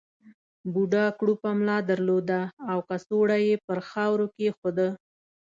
بوډا کړوپه ملا درلوده او کڅوړه یې پر خاورو کېښوده.